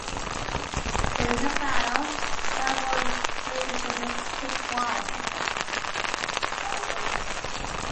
During the battle, "Barbaros Hayreddin" was hit twice.